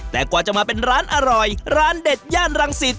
แต่กว่าจะมาเป็นร้านอร่อยร้านเด็ดย่านรังสิต